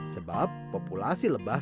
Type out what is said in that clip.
sebab populasi lebah